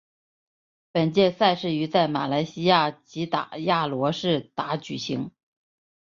本届赛事于在马来西亚吉打亚罗士打举行。